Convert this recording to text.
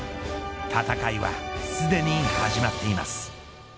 戦いはすでに始まっています。